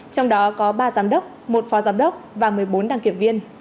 trong đó có ba giám đốc một phó giám đốc và một mươi bốn đăng kiểm viên